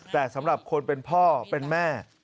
แต่สำหรับคนเป็นพ่อเป็นแม่